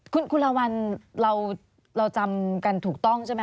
คุณละวันเราจำกันถูกต้องใช่ไหม